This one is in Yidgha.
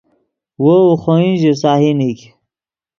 وو ڤے خوئن ژے سہی نیگ